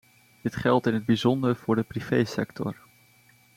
Dit geldt in het bijzonder voor de privé-sector.